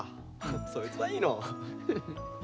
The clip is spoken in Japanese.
そいつはいいのう。